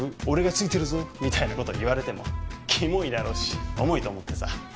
俺がついてるぞみたいなこと言われてもキモいだろうし重いと思ってさ